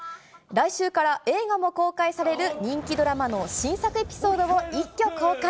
来週から映画も公開される、人気ドラマの新作エピソードを一挙公開。